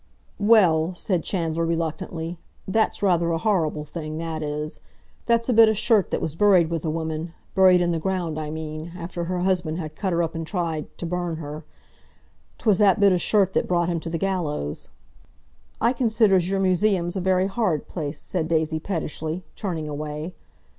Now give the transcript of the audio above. "Well," said Chandler reluctantly, "that's rather a horrible thing—that is. That's a bit o' shirt that was buried with a woman—buried in the ground, I mean—after her husband had cut her up and tried to burn her. 'Twas that bit o' shirt that brought him to the gallows." "I considers your museum's a very horrid place!" said Daisy pettishly, turning away.